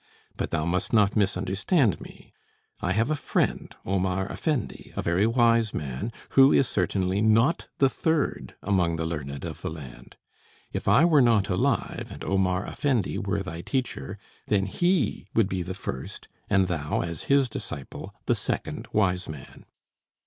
But thou must not misunderstand me: I have a friend, Omar Effendi, a very wise man, who is certainly not the third among the learned of the land. If I were not alive, and Omar Effendi were thy teacher, then he would be the first, and thou, as his disciple, the second wise man!"